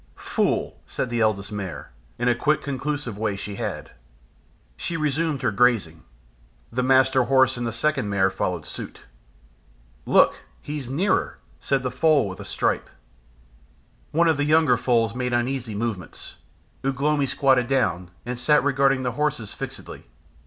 "Fool!" said the Eldest Mare, in a quick conclusive way she had. She resumed her grazing. The Master Horse and the Second Mare followed suit. "Look! he's nearer," said the Foal with a stripe. One of the younger foals made uneasy movements. Ugh lomi squatted down, and sat regarding the horses fixedly.